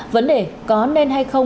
vấn đề có nên hay không